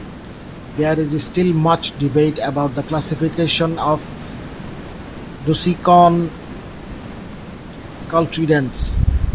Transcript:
There is still much debate about the classification of "Dusicyon" cultridens".